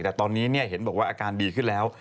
แต่ตอนนี้เห็นบอกว่าอาการดีขึ้นแล้ว